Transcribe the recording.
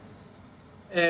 え